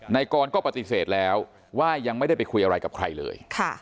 นายกรก็ปฏิเสธแล้วว่ายังไม่ได้ไปคุยอะไรกับใครเลย